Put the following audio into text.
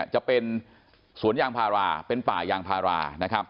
จะเป็นสวนยางพาราเป็นป่ายางพารา